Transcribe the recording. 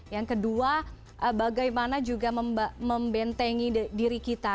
yang kedua bagaimana juga membentengi diri kita